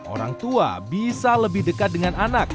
orang tua bisa lebih dekat dengan anak